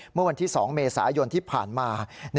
เมื่อวันที่๒เมษายนที่ผ่านมา